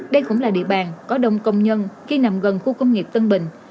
đây cũng là địa bàn có đông công nhân khi nằm gần khu công nghiệp tân bình